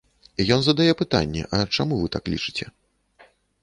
Ён задае пытанне, а чаму вы так лічыце.